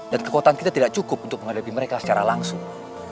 dan kekuatan kita tidak cukup untuk menghadapi mereka secara langsung